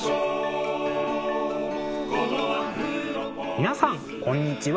皆さんこんにちは。